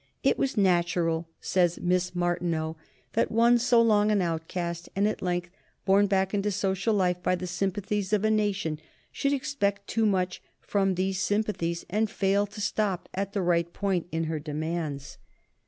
"It was natural," says Miss Martineau, "that one so long an outcast and at length borne back into social life by the sympathies of a nation should expect too much from these sympathies and fail to stop at the right point in her demands."